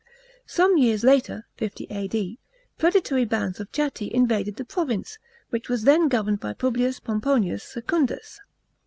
Some years later (50 A.D.) predatory bands of Chatti invaded the province, which was then governed by Publius Pomponius Secundus.